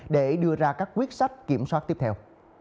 để đưa ra các quyết sách kiểm soát tiếp theo